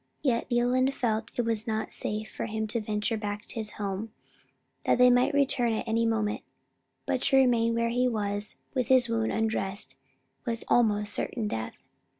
Yet Leland felt that it was not safe for him to venture back to his home, as they might return at any moment; but to remain where he was with his wound undressed was almost certain death.